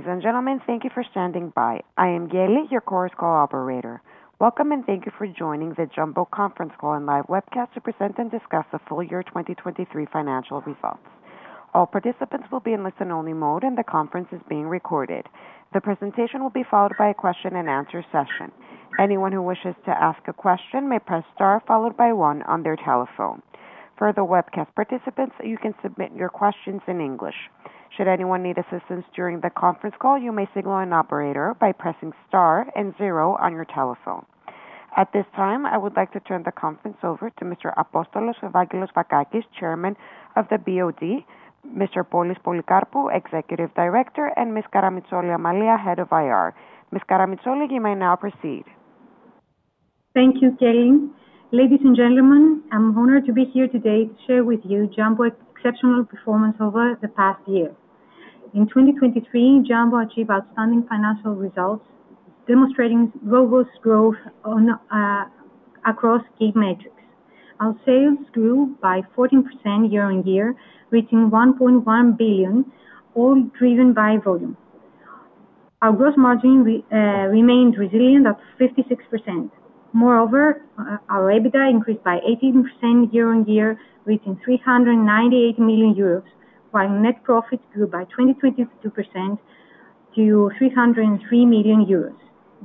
Ladies, and gentlemen, thank you for standing by. I am Kelly, your Chorus Call Operator. Welcome, and thank you for joining the Jumbo Conference Call and Live Webcast to Present and Discuss the Full Year 2023 Financial Results. All participants will be in listen-only mode, and the conference is being recorded. The presentation will be followed by a question-and-answer session. Anyone who wishes to ask a question may press star, followed by one on their telephone. For the webcast participants, you can submit your questions in English. Should anyone need assistance during the conference call, you may signal an operator by pressing star and zero on your telephone. At this time, I would like to turn the conference over to Mr. Apostolos-Evangelos Vakakis, Chairman of the BOD, Mr. Polys Polycarpou, Executive Director, and Ms. Amalia Karamitsoli, Head of IR. Ms. Karamitsoli, you may now proceed. Thank you, Kelly. Ladies, and gentlemen, I'm honored to be here today to share with you Jumbo's exceptional performance over the past year. In 2023, Jumbo achieved outstanding financial results, demonstrating robust growth across key metrics. Our sales grew by 14% year-over-year, reaching 1.1 billion, all driven by volume. Our gross margin remained resilient at 56%. Moreover, our EBITDA increased by 18% year-over-year, reaching 398 million euros, while net profits grew by 22% to 303 million euros.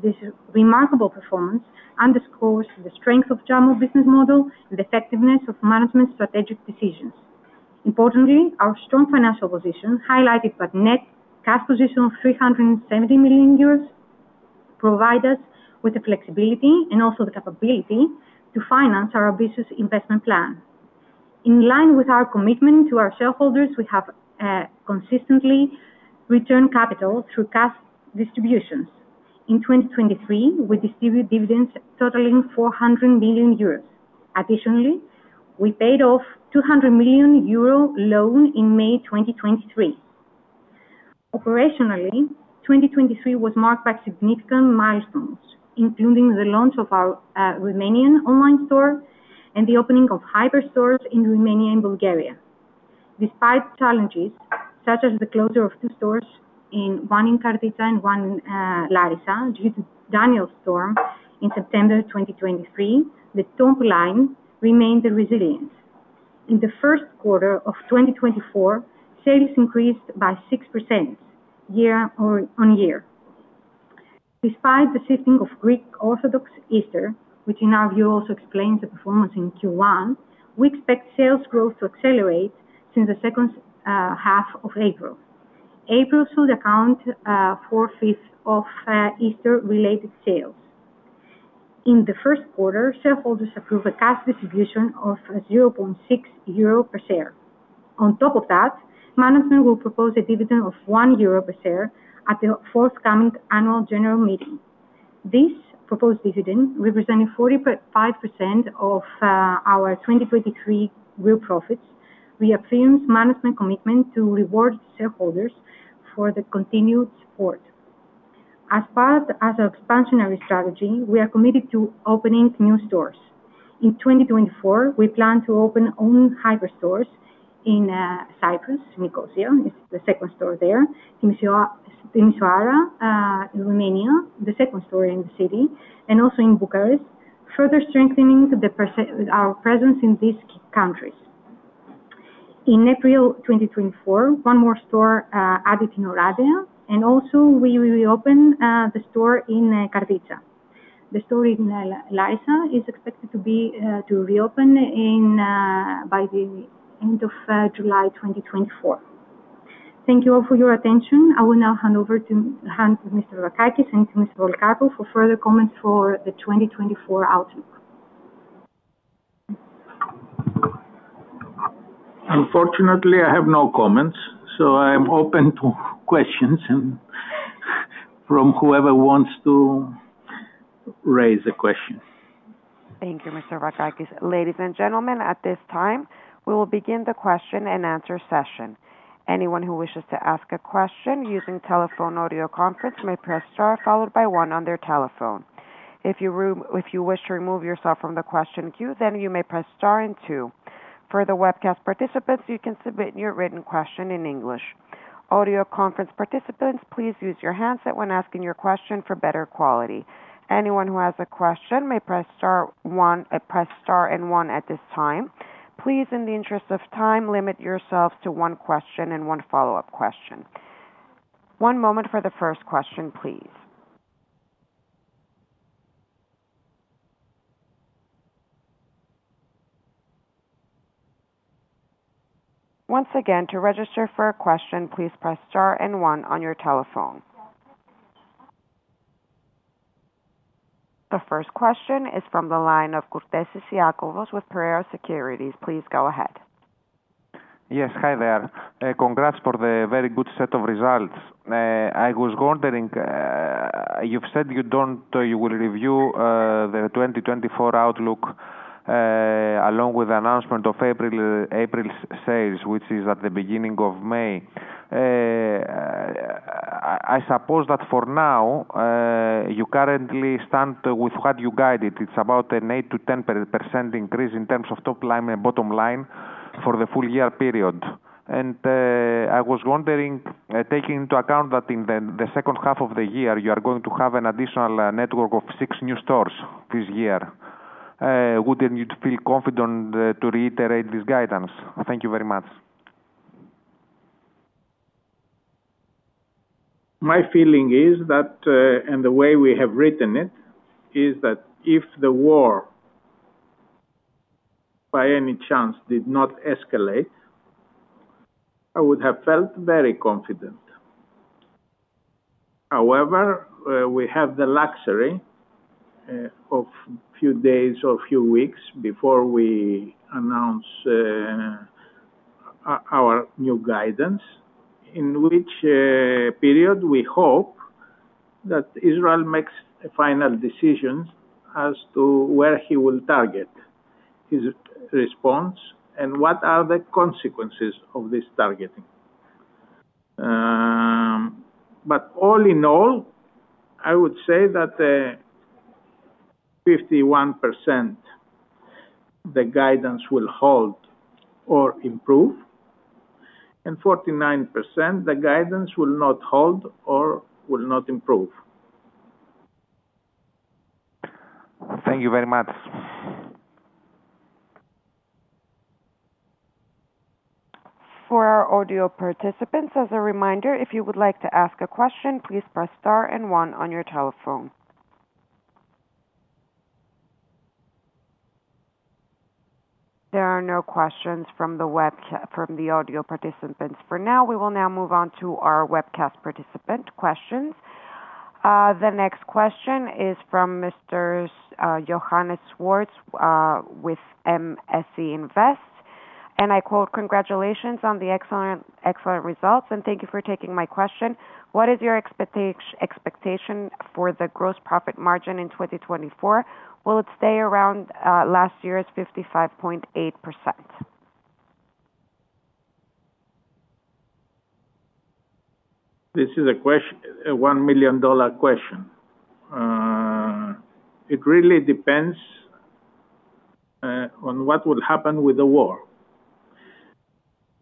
This remarkable performance underscores the strength of Jumbo's business model and the effectiveness of management's strategic decisions. Importantly, our strong financial position, highlighted by net cash position of 370 million euros, provide us with the flexibility and also the capability to finance our ambitious investment plan. In line with our commitment to our shareholders, we have consistently returned capital through cash distributions. In 2023, we distributed dividends totaling 400 million euros. Additionally, we paid off 200 million euro loan in May 2023. Operationally, 2023 was marked by significant milestones, including the launch of our Romanian online store and the opening of hyperstores in Romania and Bulgaria. Despite challenges, such as the closure of two stores in, one in Karditsa and one Larissa, due to Storm Daniel in September 2023, the top line remained resilient. In the first quarter of 2024, sales increased by 6% year-on-year. Despite the shifting of Greek Orthodox Easter, which in our view, also explains the performance in Q1, we expect sales growth to accelerate since the second half of April. April should account for a fifth of Easter-related sales. In the first quarter, shareholders approved a cash distribution of 0.6 euro per share. On top of that, management will propose a dividend of 1 euro per share at the forthcoming annual general meeting. This proposed dividend, representing 45% of our 2023 real profits, reaffirms management commitment to reward shareholders for the continued support. As part of our expansionary strategy, we are committed to opening new stores. In 2024, we plan to open only hyperstores in Cyprus, Nicosia; it's the second store there. Timisoara, Romania, the second store in the city, and also in Bucharest, further strengthening our presence in these countries. In April 2024, one more store added in Oradea, and also we will reopen the store in Karditsa. The store in Larissa is expected to reopen by the end of July 2024. Thank you all for your attention. I will now hand over to Mr. Vakakis and to Mr. Polycarpou for further comments for the 2024 outlook. Unfortunately, I have no comments, so I am open to questions and from whoever wants to raise a question. Thank you, Mr. Vakakis. Ladies, and gentlemen, at this time, we will begin the question-and-answer session. Anyone who wishes to ask a question using telephone audio conference may press star, followed by one on their telephone. If you if you wish to remove yourself from the question queue, then you may press star and two. For the webcast participants, you can submit your written question in English. Audio conference participants, please use your handset when asking your question for better quality. Anyone who has a question may press star one, press star and one at this time. Please, in the interest of time, limit yourselves to one question and one follow-up question. One moment for the first question, please. Once again, to register for a question, please press star and one on your telephone. The first question is from the line of Iakovos Kourtesis with Piraeus Securities. Please go ahead. Yes, hi there. Congrats for the very good set of results. I was wondering, you've said you don't, you will review the 2024 outlook along with the announcement of April's sales, which is at the beginning of May. I suppose that for now, you currently stand with what you guided. It's about an 8%-10% increase in terms of top line and bottom line for the full year period. I was wondering, taking into account that in the second half of the year, you are going to have an additional network of six new stores this year, would you feel confident to reiterate this guidance? Thank you very much. My feeling is that, and the way we have written it, is that if the war, by any chance, did not escalate, I would have felt very confident. However, we have the luxury, of few days or few weeks before we announce, our new guidance, in which, period we hope that Israel makes a final decision as to where he will target his response and what are the consequences of this targeting. But all in all, I would say that, 51%, the guidance will hold or improve, and 49%, the guidance will not hold or will not improve. Thank you very much. For our audio participants, as a reminder, if you would like to ask a question, please press star and one on your telephone. There are no questions from the audio participants. For now, we will now move on to our webcast participant questions. The next question is from Mr. Johannes Schwarz with MainFirst, and I quote: "Congratulations on the excellent, excellent results, and thank you for taking my question. What is your expectation for the gross profit margin in 2024? Will it stay around last year's 55.8%? This is a $1 million question. It really depends on what will happen with the war.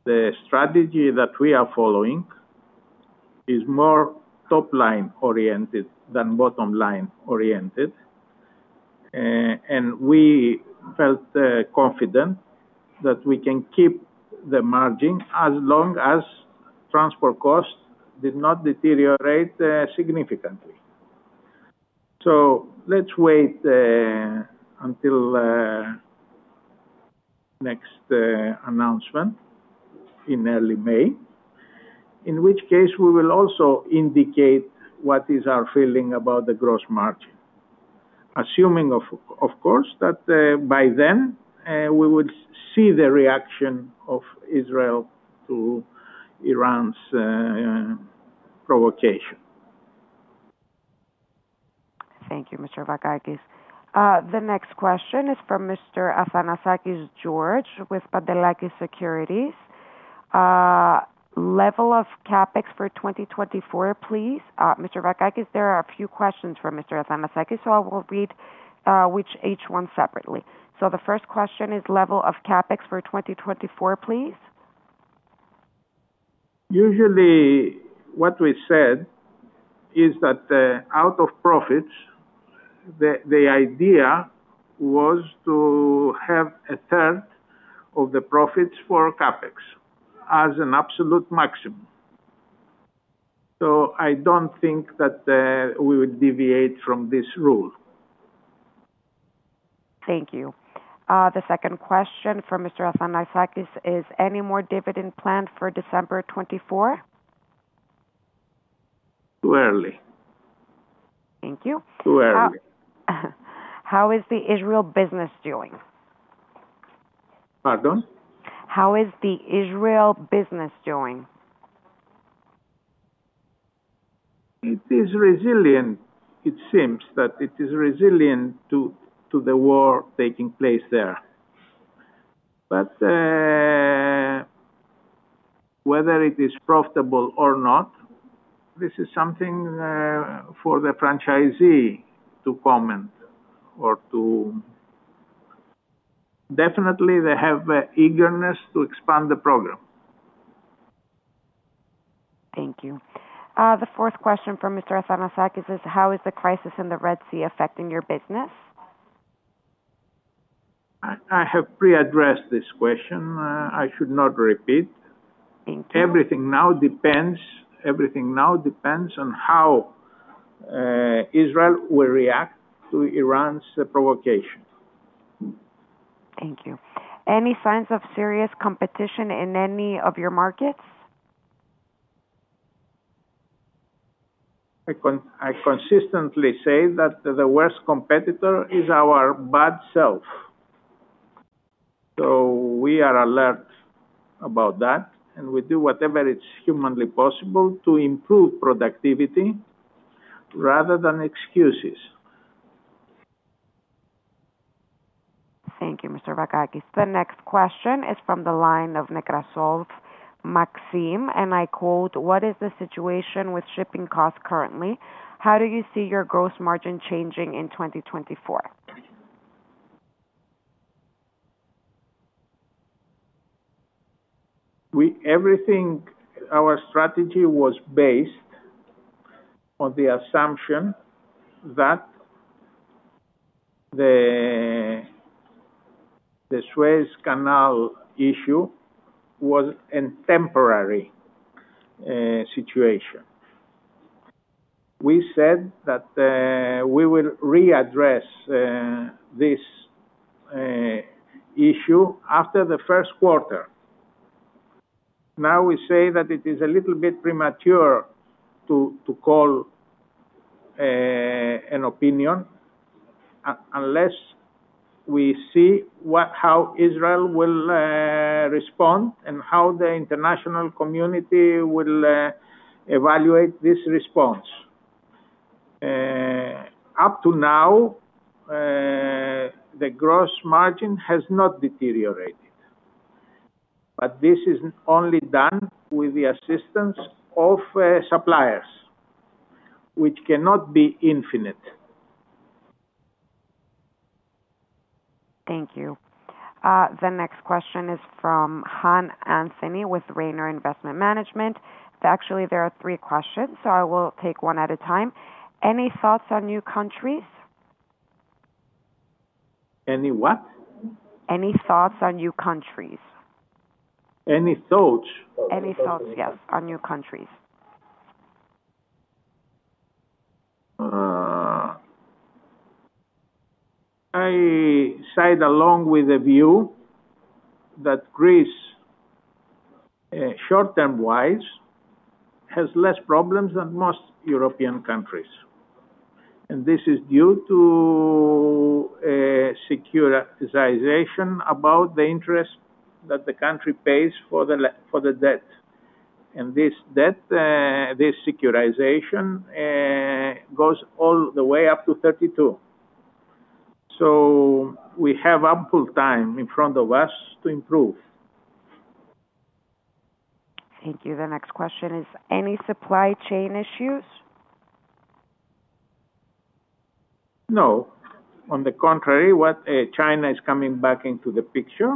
The strategy that we are following is more top line oriented than bottom line oriented. And we felt confident that we can keep the margin as long as transport costs did not deteriorate significantly. So let's wait until next announcement in early May, in which case we will also indicate what is our feeling about the gross margin. Assuming of course that by then we would see the reaction of Israel to Iran's provocation. Thank you, Mr. Vakakis. The next question is from Mr. George Athanasakis with Pantelakis Securities. Level of CapEx for 2024, please. Mr. Vakakis, there are a few questions from Mr. Athanasakis, so I will read which each one separately. The first question is level of CapEx for 2024, please. Usually, what we said is that, out of profits, the idea was to have a third of the profits for CapEx as an absolute maximum. So I don't think that, we would deviate from this rule. Thank you. The second question from Mr. Athanasakis is: any more dividend plan for December 2024? Too early. Thank you. Too early. How is the Israel business doing? Pardon? How is the Israel business doing? It is resilient. It seems that it is resilient to the war taking place there. But whether it is profitable or not, this is something for the franchisee to comment or to... Definitely, they have eagerness to expand the program. Thank you. The fourth question from Mr. Athanasakis is: How is the crisis in the Red Sea affecting your business? I have pre-addressed this question. I should not repeat. Thank you. Everything now depends, everything now depends on how Israel will react to Iran's provocation. Thank you. Any signs of serious competition in any of your markets? I consistently say that the worst competitor is our bad self. So we are alert about that, and we do whatever is humanly possible to improve productivity rather than excuses. Thank you, Mr. Vakakis. The next question is from the line of Nekrasov, Maxim, and I quote, "What is the situation with shipping costs currently? How do you see your gross margin changing in 2024? Everything, our strategy was based on the assumption that the Suez Canal issue was a temporary situation. We said that we will readdress this issue after the first quarter. Now, we say that it is a little bit premature to call an opinion unless we see how Israel will respond and how the international community will evaluate this response. Up to now, the gross margin has not deteriorated, but this is only done with the assistance of suppliers, which cannot be infinite. Thank you. The next question is from Anthony Han with Rainier Investment Management. Actually, there are three questions, so I will take one at a time. Any thoughts on new countries? Any what? Any thoughts on new countries? Any thoughts? Any thoughts, yes, on new countries? I side along with the view that Greece, short-term wise, has less problems than most European countries. And this is due to securitization about the interest that the country pays for the debt. And this debt, this securitization, goes all the way up to 32. So we have ample time in front of us to improve. Thank you. The next question is: any supply chain issues? No. On the contrary, China is coming back into the picture,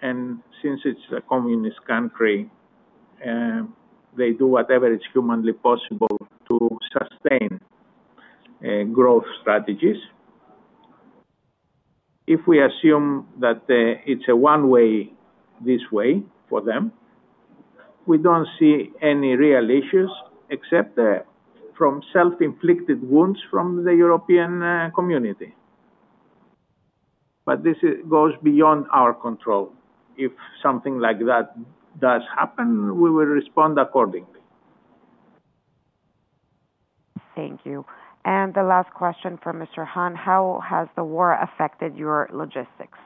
and since it's a communist country, they do whatever is humanly possible to sustain growth strategies. If we assume that, it's a one-way, this way for them, we don't see any real issues, except from self-inflicted wounds from the European community. But this goes beyond our control. If something like that does happen, we will respond accordingly. Thank you. The last question from Mr. Han: How has the war affected your logistics?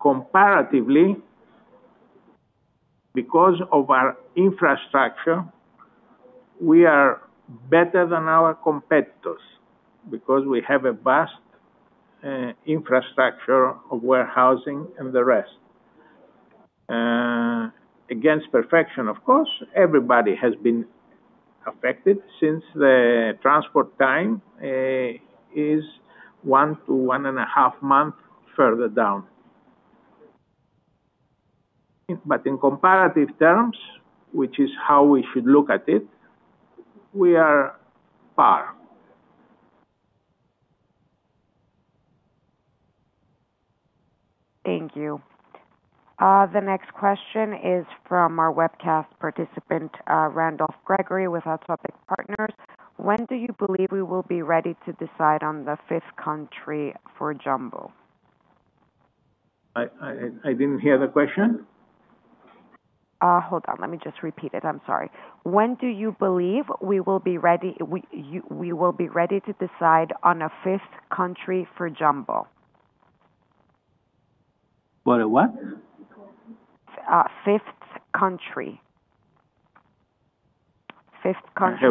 Comparatively, because of our infrastructure, we are better than our competitors, because we have a vast infrastructure of warehousing and the rest. Against perfection, of course, everybody has been affected since the transport time is 1-1.5 months further down. But in comparative terms, which is how we should look at it, we are par. Thank you. The next question is from our webcast participant, Gregory Randolph, with Otus Capital Management. When do you believe we will be ready to decide on the fifth country for Jumbo? I didn't hear the question. Hold on, let me just repeat it. I'm sorry. When do you believe we will be ready to decide on a fifth country for Jumbo? For a what? Fifth country. Fifth country.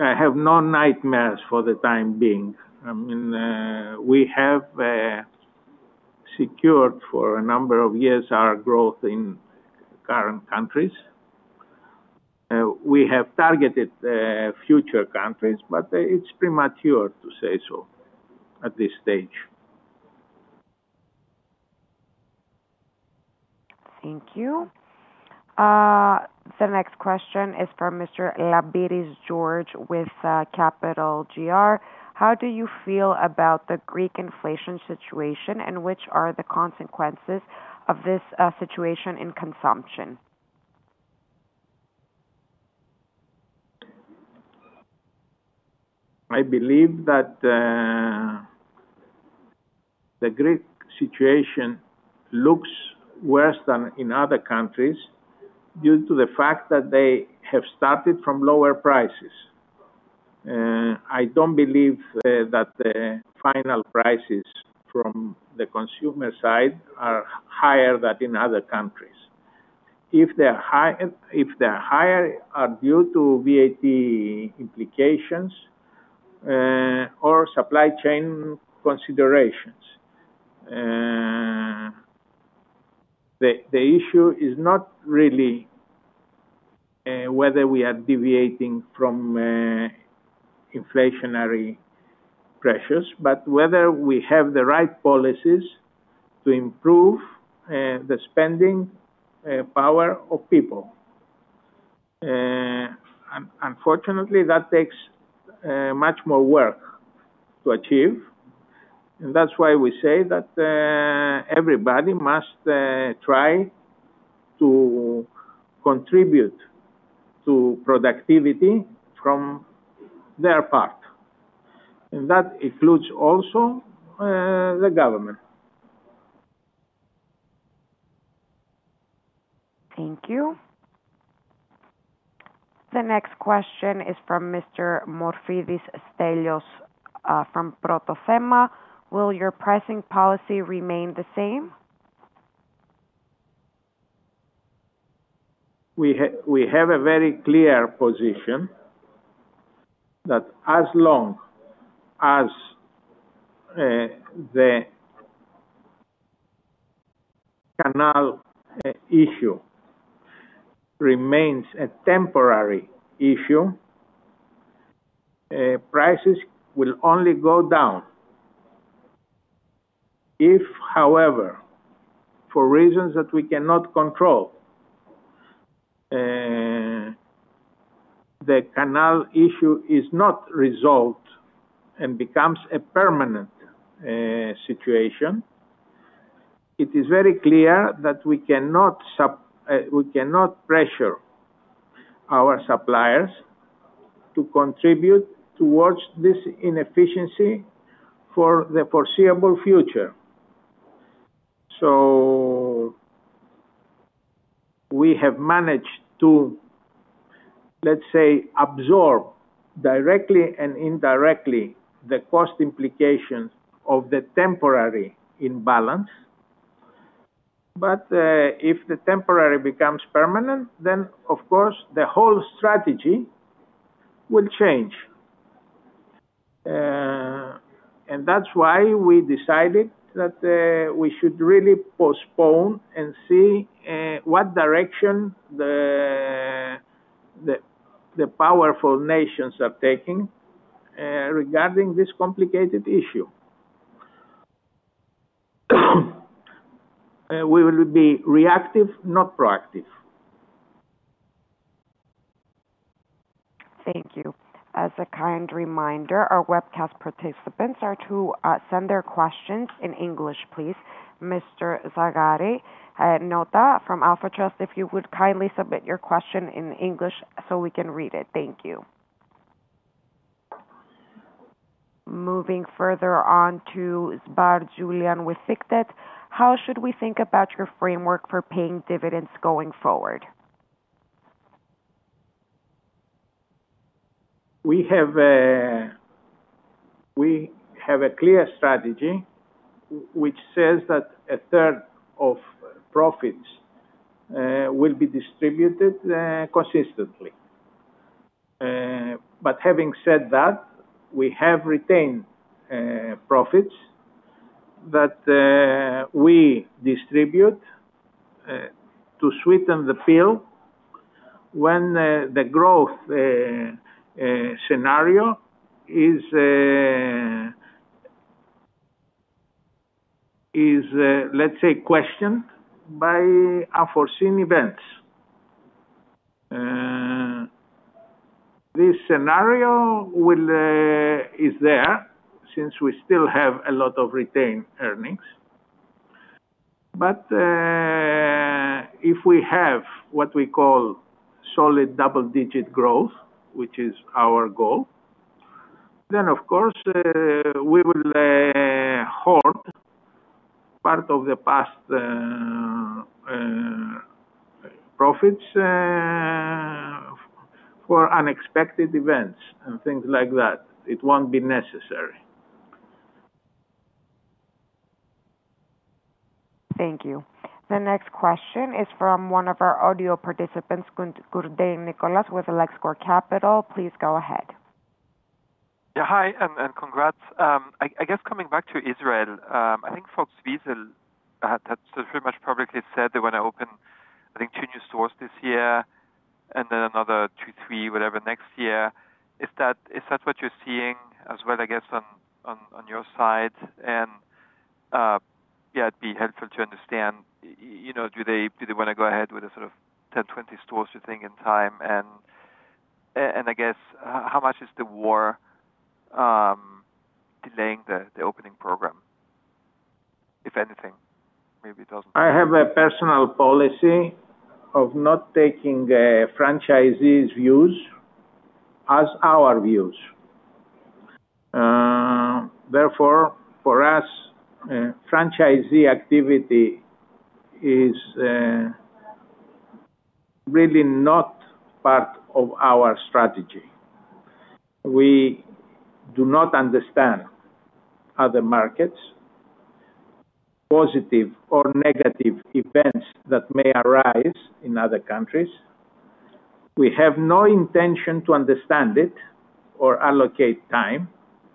I have no nightmares for the time being. I mean, we have secured for a number of years our growth in current countries. We have targeted future countries, but it's premature to say so at this stage. Thank you. The next question is from Mr. George Labiris, with Capital.gr. How do you feel about the Greek inflation situation, and which are the consequences of this situation in consumption? I believe that, the Greek situation looks worse than in other countries due to the fact that they have started from lower prices. I don't believe, that the final prices from the consumer side are higher than in other countries.... if they are high, if they are higher, are due to VAT implications, or supply chain considerations. The issue is not really, whether we are deviating from, inflationary pressures, but whether we have the right policies to improve, the spending power of people. Unfortunately, that takes, much more work to achieve, and that's why we say that, everybody must, try to contribute to productivity from their part, and that includes also, the government. Thank you. The next question is from Mr. Stelios Morfidis from Proto Thema. Will your pricing policy remain the same? We have a very clear position that as long as the canal issue remains a temporary issue, prices will only go down. If, however, for reasons that we cannot control, the canal issue is not resolved and becomes a permanent situation, it is very clear that we cannot pressure our suppliers to contribute towards this inefficiency for the foreseeable future. So we have managed to, let's say, absorb directly and indirectly the cost implications of the temporary imbalance. But if the temporary becomes permanent, then of course, the whole strategy will change. And that's why we decided that we should really postpone and see what direction the powerful nations are taking regarding this complicated issue. We will be reactive, not proactive. Thank you. As a kind reminder, our webcast participants are to send their questions in English, please. Mr. Nota Zagari from Alpha Trust, if you would kindly submit your question in English so we can read it. Thank you. Moving further on to Julien Zbar with Pictet, how should we think about your framework for paying dividends going forward? We have a clear strategy which says that a third of profits will be distributed consistently. But having said that, we have retained profits that we distribute to sweeten the pill when the growth scenario is, let's say, questioned by unforeseen events. This scenario will is there since we still have a lot of retained earnings. But if we have what we call solid double-digit growth, which is our goal, then of course we will hoard part of the past profits for unexpected events and things like that. It won't be necessary. Thank you. The next question is from one of our audio participants, Nicholas Gurden, with Luxor Capital. Please go ahead. Yeah, hi, and congrats. I guess coming back to Israel, I think Fox-Wizel had so pretty much publicly said they want to open, I think, two new stores this year, and then another two, three, whatever, next year. Is that what you're seeing as well, I guess, on your side? And yeah, it'd be helpful to understand, you know, do they wanna go ahead with a sort of 10, 20 stores you think in time? And I guess how much is the war delaying the opening program, if anything? Maybe it doesn't. I have a personal policy of not taking franchisees' views as our views. Therefore, for us, franchisee activity is really not part of our strategy. We do not understand other markets, positive or negative events that may arise in other countries. We have no intention to understand it or allocate time,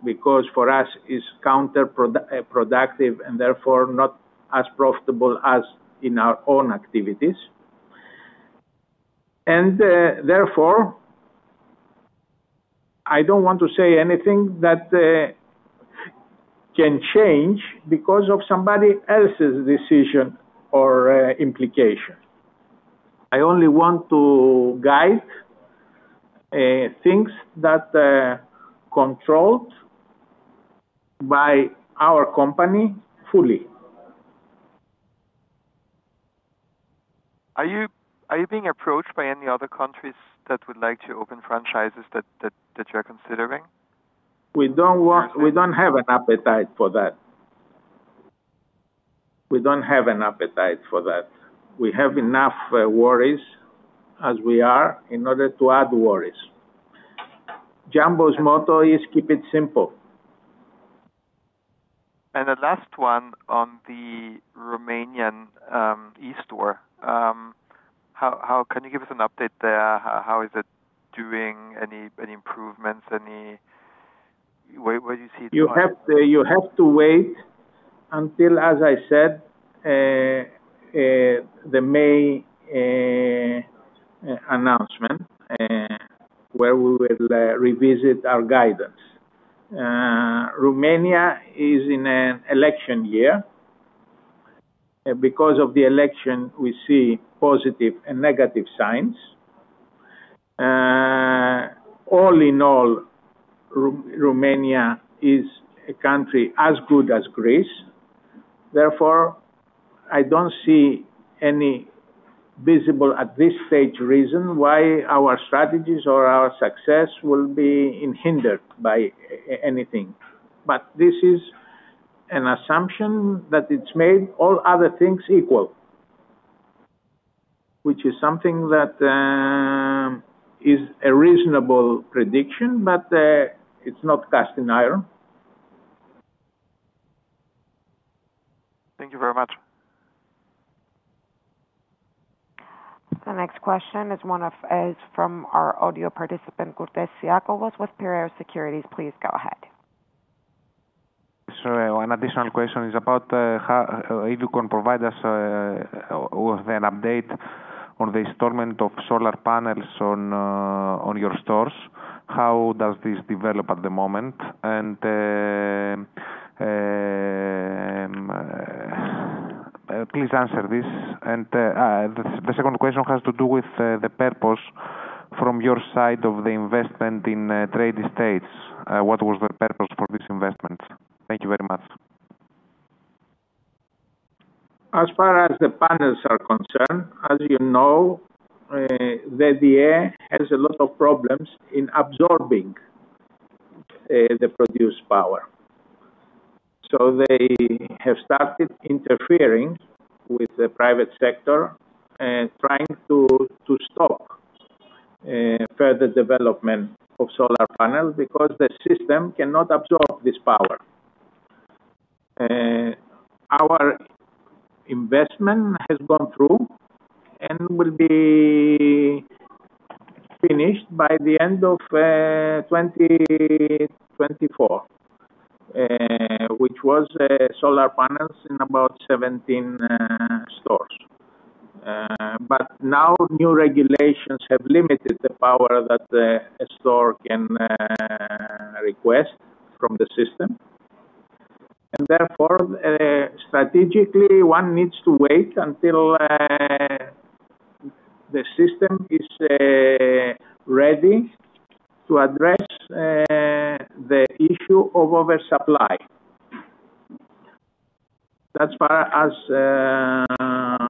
because for us, it's counterproductive and therefore not as profitable as in our own activities. Therefore, I don't want to say anything that can change because of somebody else's decision or implication. I only want to guide things that are controlled by our company fully. Are you being approached by any other countries that would like to open franchises that you're considering? We don't have an appetite for that. We don't have an appetite for that. We have enough worries as we are, in order to add worries. Jumbo's motto is, "Keep it simple. And the last one on the Romanian e-store. How can you give us an update there? How is it doing? Any improvements, any... Where do you see it going? You have to wait until, as I said, the May announcement, where we will revisit our guidance. Romania is in an election year, and because of the election, we see positive and negative signs. All in all, Romania is a country as good as Greece. Therefore, I don't see any visible, at this stage, reason why our strategies or our success will be hindered by anything. But this is an assumption that it's made all other things equal, which is something that is a reasonable prediction, but it's not cast in iron. Thank you very much. The next question is from our audio participant, Iakovos Kourtesis with Piraeus Securities, please go ahead. So an additional question is about how if you can provide us with an update on the installment of solar panels on your stores. How does this develop at the moment? Please answer this. The second question has to do with the purpose from your side of the investment in Trade Estates. What was the purpose for this investment? Thank you very much. As far as the panels are concerned, as you know, the DEI has a lot of problems in absorbing the produced power. So they have started interfering with the private sector and trying to stop further development of solar panels because the system cannot absorb this power. Our investment has gone through and will be finished by the end of 2024, which was solar panels in about 17 stores. But now, new regulations have limited the power that a store can request from the system, and therefore, strategically, one needs to wait until the system is ready to address the issue of oversupply. That's as far as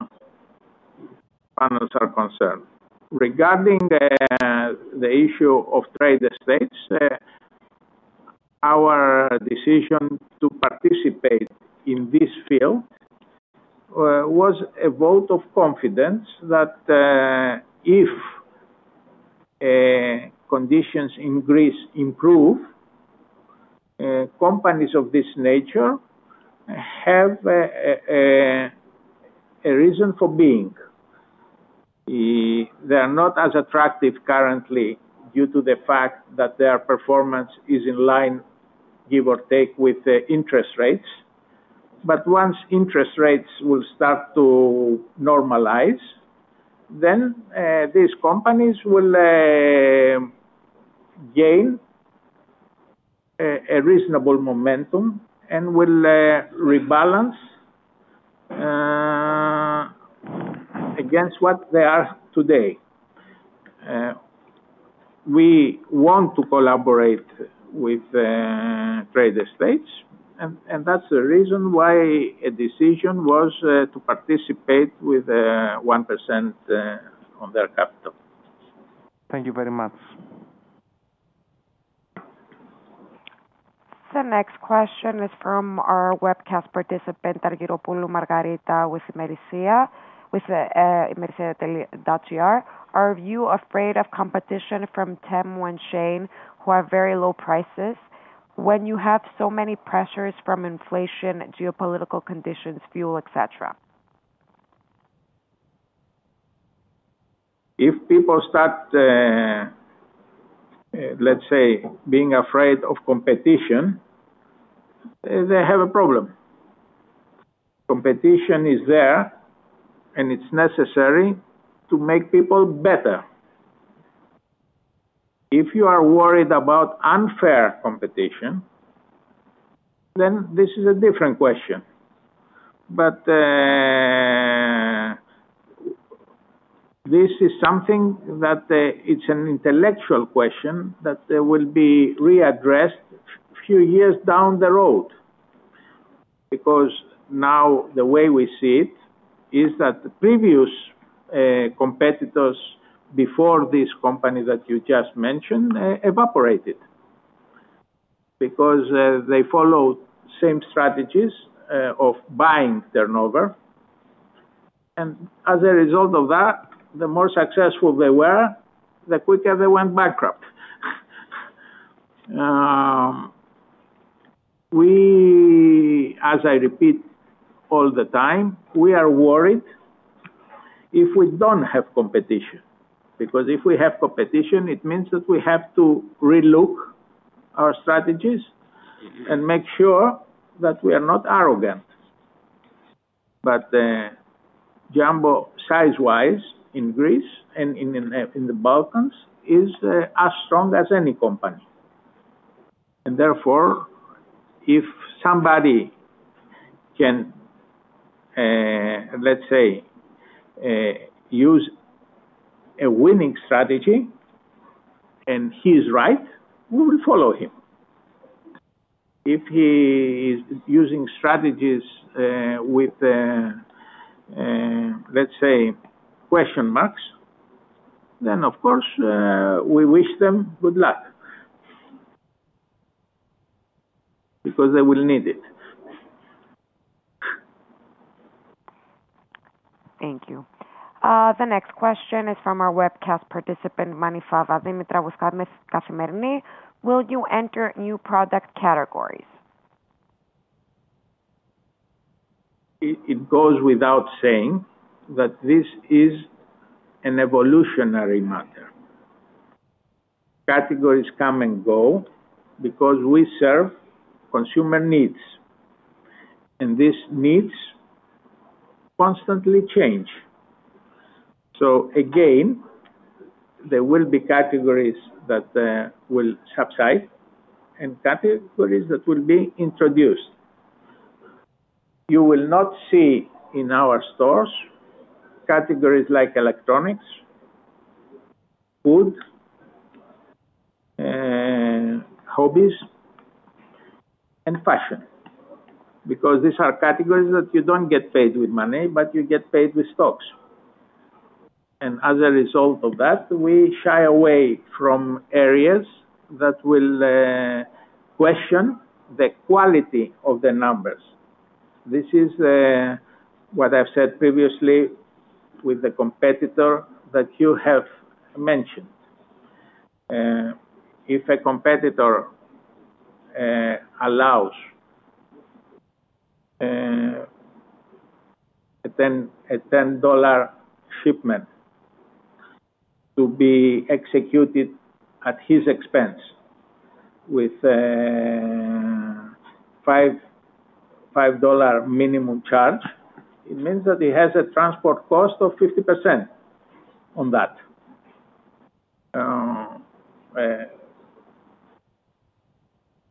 panels are concerned. Regarding the issue of Trade Estates, our decision to participate in this field was a vote of confidence that, if conditions in Greece improve, companies of this nature have a reason for being. They are not as attractive currently due to the fact that their performance is in line, give or take, with the interest rates. But once interest rates will start to normalize, then these companies will gain a reasonable momentum and will rebalance against what they are today. We want to collaborate with Trade Estates, and that's the reason why a decision was to participate with 1% on their capital. Thank you very much. ... The next question is from our webcast participant, Argyropoulou Margarita, with MoneyReview, with MoneyReview.gr. Are you afraid of competition from Temu and Shein, who have very low prices, when you have so many pressures from inflation, geopolitical conditions, fuel, et cetera? If people start, let's say, being afraid of competition, they have a problem. Competition is there, and it's necessary to make people better. If you are worried about unfair competition, then this is a different question. But, this is something that, it's an intellectual question that will be readdressed few years down the road. Because now, the way we see it, is that the previous, competitors before this company that you just mentioned, evaporated. Because, they followed same strategies, of buying turnover, and as a result of that, the more successful they were, the quicker they went bankrupt. We, as I repeat all the time, we are worried if we don't have competition, because if we have competition, it means that we have to relook our strategies and make sure that we are not arrogant. But, Jumbo, size-wise, in Greece and in the Balkans, is as strong as any company. And therefore, if somebody can, let's say, use a winning strategy, and he's right, we will follow him. If he is using strategies, with, let's say, question marks, then, of course, we wish them good luck. Because they will need it. Thank you. The next question is from our webcast participant, Dimitra Manifava, with Kathimerini: Will you enter new product categories? It goes without saying that this is an evolutionary matter. Categories come and go because we serve consumer needs, and these needs constantly change. So again, there will be categories that will subside and categories that will be introduced. You will not see in our stores categories like electronics, food, hobbies, and fashion, because these are categories that you don't get paid with money, but you get paid with stocks. And as a result of that, we shy away from areas that will question the quality of the numbers. This is what I've said previously with the competitor that you have mentioned. If a competitor allows a $10 shipment to be executed at his expense, with $5 minimum charge, it means that he has a transport cost of 50% on that.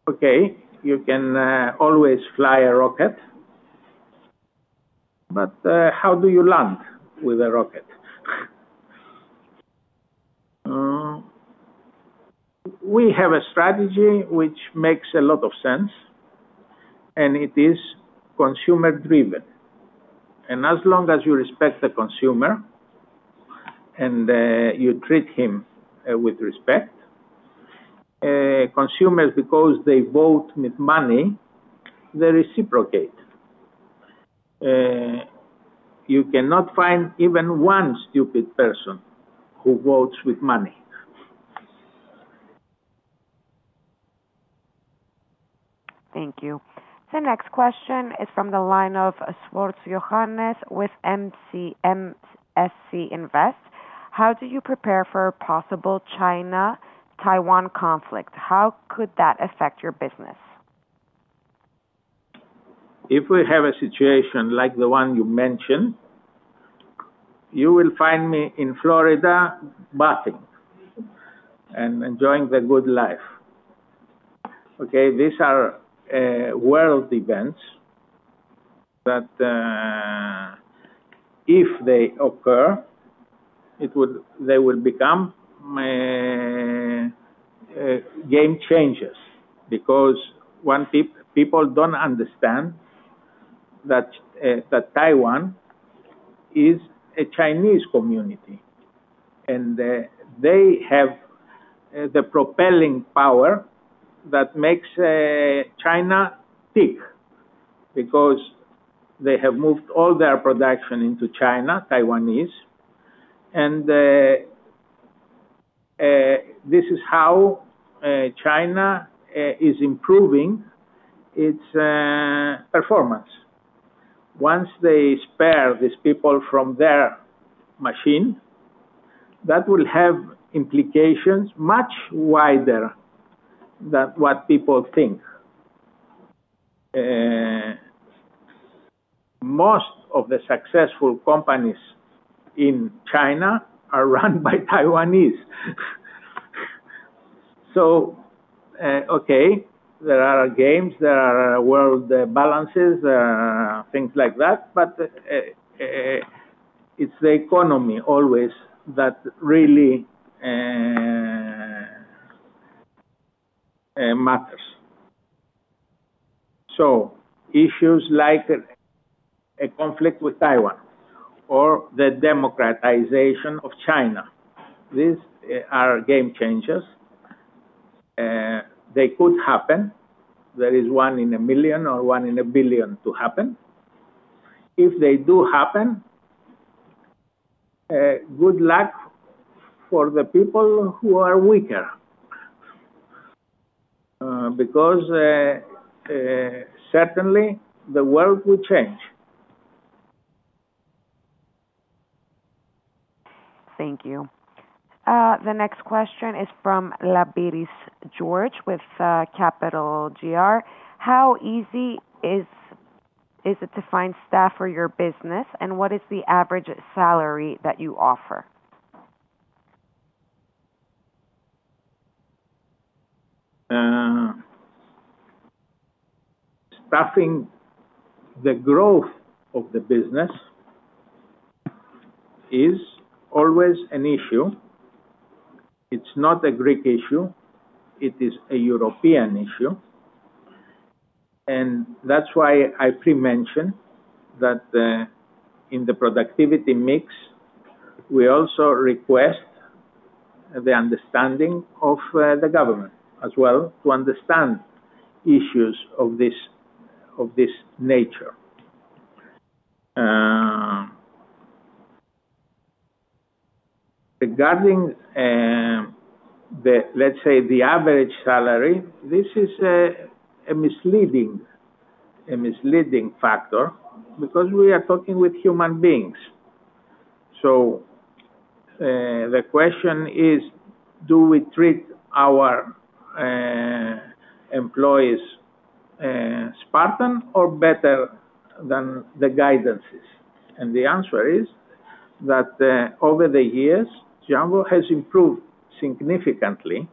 Okay, you can always fly a rocket, but how do you land with a rocket? We have a strategy which makes a lot of sense, and it is consumer-driven. As long as you respect the consumer, and you treat him with respect, consumers, because they vote with money, they reciprocate. You cannot find even one stupid person who votes with money. Thank you. The next question is from the line of Johannes Schwarz with MainFirst. How do you prepare for a possible China-Taiwan conflict? How could that affect your business? If we have a situation like the one you mentioned, you will find me in Florida, bathing and enjoying the good life. Okay, these are world events that if they occur, they will become game changers. Because people don't understand that Taiwan is a Chinese community, and they have the propelling power that makes China tick because they have moved all their production into China, Taiwanese. And this is how China is improving its performance. Once they spare these people from their machine, that will have implications much wider than what people think. Most of the successful companies in China are run by Taiwanese. So, okay, there are games, there are world balances, things like that, but it's the economy always that really matters. So issues like a conflict with Taiwan or the democratization of China, these are game changers, they could happen. There is one in a million or one in a billion to happen. If they do happen, good luck for the people who are weaker, because certainly the world will change. Thank you. The next question is from George Labiris with Capital.gr. How easy is it to find staff for your business, and what is the average salary that you offer? Staffing, the growth of the business is always an issue. It's not a Greek issue, it is a European issue. And that's why I mentioned that, in the productivity mix, we also request the understanding of the government as well, to understand issues of this, of this nature. Regarding the... Let's say, the average salary, this is a misleading factor, because we are talking with human beings. So, the question is: Do we treat our employees Spartan or better than the guidelines? And the answer is that, over the years, Jumbo has improved significantly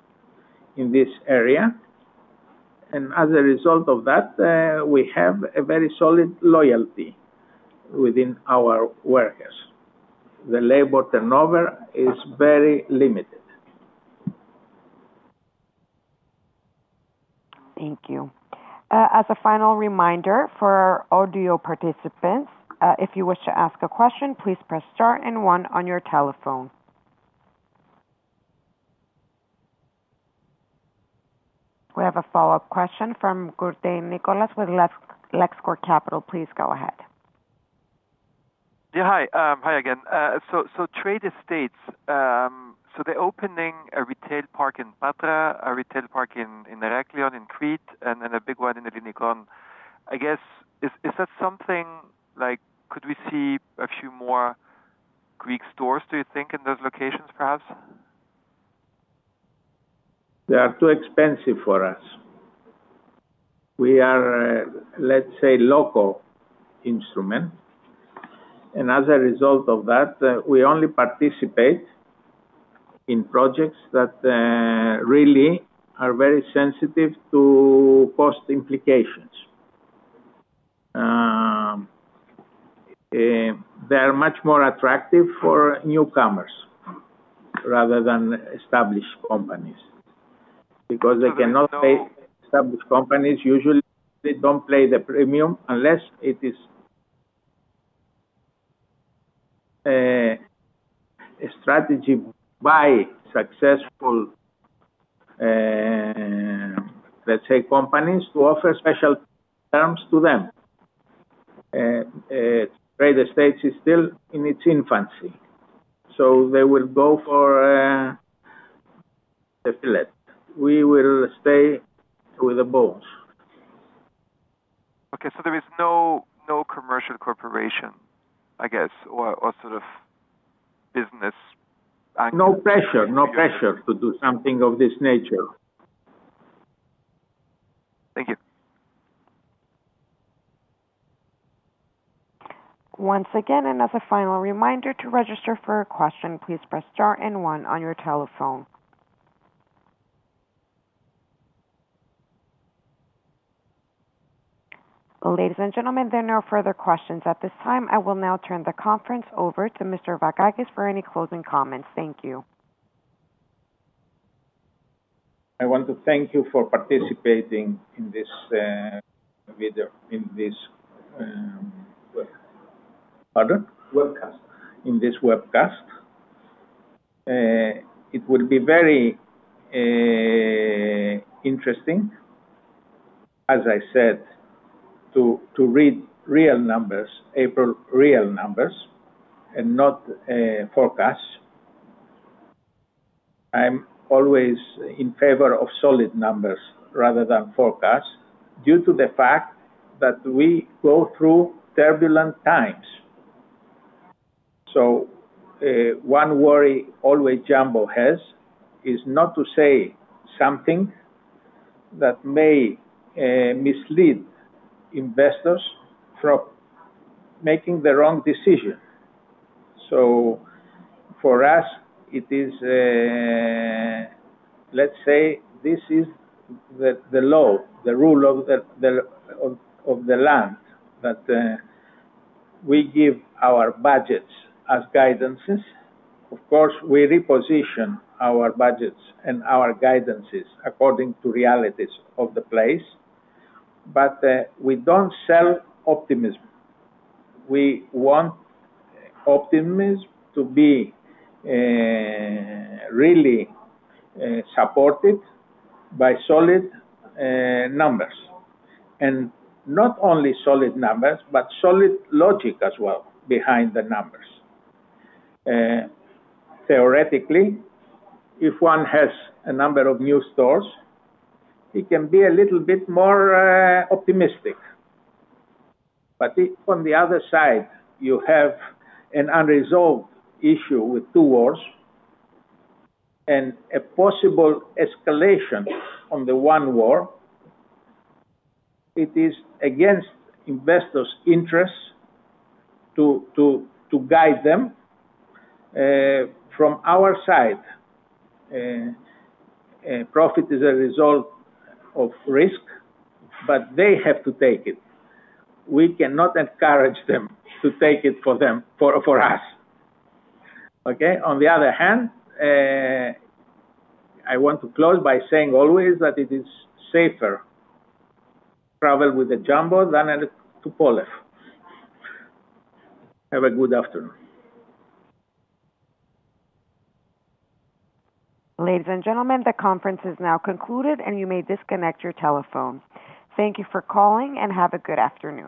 in this area, and as a result of that, we have a very solid loyalty within our workers. The labor turnover is very limited. Thank you. As a final reminder for our audio participants, if you wish to ask a question, please press star and one on your telephone. We have a follow-up question from Nicholas Gurden with Luxor Capital Group. Please go ahead. Yeah, hi. Hi again. So Trade Estates, they're opening a retail park in Patras, a retail park in Heraklion, in Crete, and a big one in Stavroupoli. I guess, is that something like could we see a few more Greek stores, do you think, in those locations, perhaps? They are too expensive for us. We are, let's say, local instrument, and as a result of that, we only participate in projects that really are very sensitive to cost implications. They are much more attractive for newcomers rather than established companies, because they cannot pay- I mean, no-... Established companies, usually, they don't play the premium unless it is a strategy by successful, let's say, companies, to offer special terms to them. Trade Estates is still in its infancy, so they will go for the fillet. We will stay with the bones. Okay, so there is no, no commercial corporation, I guess, or, or sort of business angle? No pressure. No pressure to do something of this nature. Thank you. Once again, and as a final reminder, to register for a question, please press star and one on your telephone. Ladies, and gentlemen, there are no further questions. At this time, I will now turn the conference over to Mr. Vakakis for any closing comments. Thank you.... I want to thank you for participating in this video. In this, pardon? Webcast. In this webcast, it will be very interesting, as I said, to read real numbers, actual real numbers, and not forecasts. I'm always in favor of solid numbers rather than forecasts, due to the fact that we go through turbulent times. So, one worry always Jumbo has, is not to say something that may mislead investors from making the wrong decision. So for us, it is, let's say this is the law, the rule of the land, that we give our budgets as guidances. Of course, we reposition our budgets and our guidances according to realities of the place, but we don't sell optimism. We want optimism to be really supported by solid numbers. And not only solid numbers, but solid logic as well behind the numbers. Theoretically, if one has a number of new stores, he can be a little bit more optimistic. But if on the other side, you have an unresolved issue with two wars and a possible escalation on the one war, it is against investors' interests to guide them. From our side, profit is a result of risk, but they have to take it. We cannot encourage them to take it for them, for us. Okay? On the other hand, I want to close by saying always that it is safer travel with the Jumbo than at the Apollo. Have a good afternoon. Ladies, and gentlemen, the conference is now concluded, and you may disconnect your telephones. Thank you for calling, and have a good afternoon.